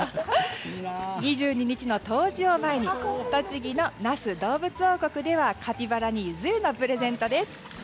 ２２日の冬至を前に栃木の那須どうぶつ王国ではカピバラにユズ湯のプレゼントです。